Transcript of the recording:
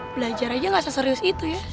belajar aja gak seserius itu ya